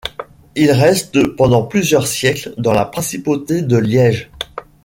Il reste pendant plusieurs siècle dans la Principauté de Liège.